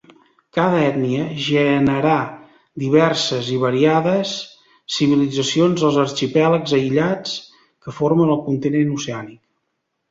Cada ètnia generà diverses i variades civilitzacions als arxipèlags aïllats que formen el continent oceànic.